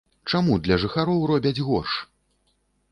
Чаму для жыхароў робяць горш?